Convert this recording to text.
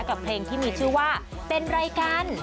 กับเพลงที่มีชื่อว่าเป็นรายการ